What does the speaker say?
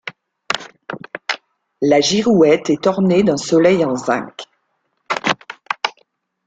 La girouette est ornée d'un soleil en zinc.